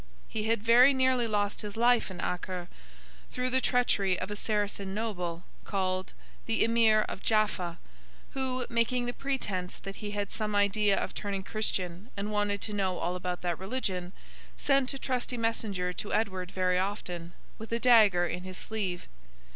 He had very nearly lost his life in Acre, through the treachery of a Saracen Noble, called the Emir of Jaffa, who, making the pretence that he had some idea of turning Christian and wanted to know all about that religion, sent a trusty messenger to Edward very often—with a dagger in his sleeve.